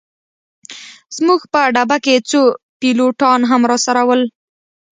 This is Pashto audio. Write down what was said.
زموږ په ډبه کي څو پیلوټان هم راسره ول.